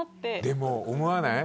でも、思わない。